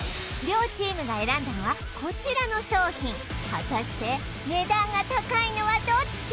両チームが選んだのはこちらの商品果たして値段が高いのはどっち？